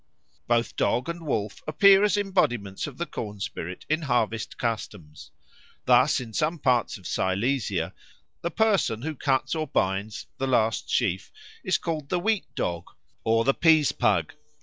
Both dog and wolf appear as embodiments of the corn spirit in harvest customs. Thus in some parts of Silesia the person who cuts or binds the last sheaf is called the Wheat dog or the Peas pug.